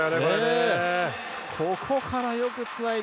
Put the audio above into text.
ここからよくつないで。